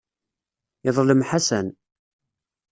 Yeḍlem Ḥasan.